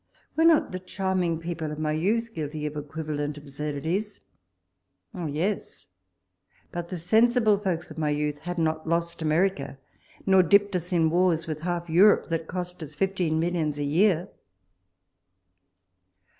were not the charming people of my youth guilty of equivalent absurdities ? Oh yes ; but the sensible folks of my youth had not lost America, nor dipped us in wars with half Europe, that cost us fifteen millions a year.